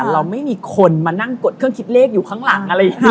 เราไม่มีคนมานั่งกดเครื่องคิดเลขอยู่ข้างหลังอะไรอย่างนี้